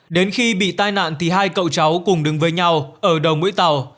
đến khi bị tai nạn thì hai cậu cháu cùng đứng với nhau ở đầu mũi tàu